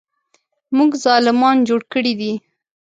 موږ ظالمان جوړ کړي دي.